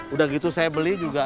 udah gitu saya beli juga